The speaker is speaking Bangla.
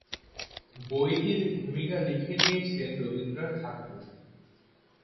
বইটির ভূমিকা লিখে দিয়েছিলেন রবীন্দ্রনাথ ঠাকুর।